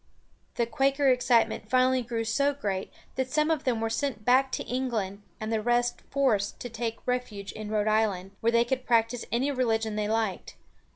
The Quaker excitement finally grew so great that some of them were sent back to England and the rest forced to take refuge in Rhode Island, where they could practice any religion they liked.